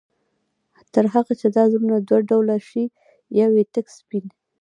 تر هغه چي دا زړونه دوه ډوله شي، يو ئې تك سپين